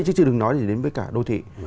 chứ chứ đừng nói đến với cả đô thị